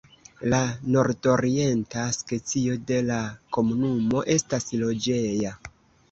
La nordorienta sekcio de la komunumo estas loĝeja.